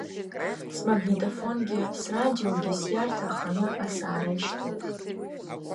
Смагнитафонгьы срадиогьы сиарҭа аханы асаара ишьҭоуп.